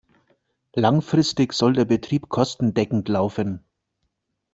Langfristig soll der Betrieb kostendeckend laufen.